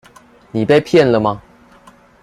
你被騙了嗎？